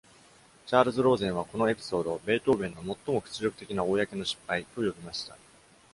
チャールズ・ローゼンは、このエピソードをベートーベンの「最も屈辱的な公の失敗」と呼びました。